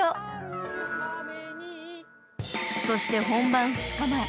［そして本番２日前。